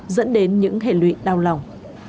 dẫn đến những hệ lụy đau lòng